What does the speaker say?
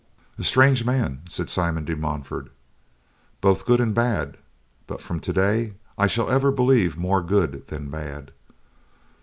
"A strange man," said Simon de Montfort, "both good and bad, but from today, I shall ever believe more good than bad.